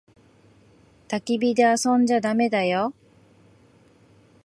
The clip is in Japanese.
たき火で遊んじゃだめだよ。